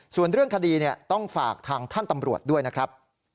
ส่วนเรื่องคดีต้องฝากทางท่านตำรวจด้วยนะครับ